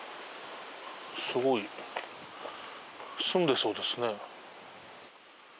すごい住んでそうですね。